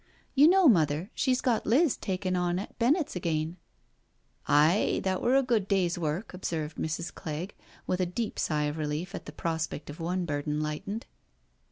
You know. Mother, she's got Liz taken on at Bennet's again?*' " Aye, that were^ a good day's work/* observed Mrs. Clegg, with a deep sigh of relief at the prospect of one burden lightened.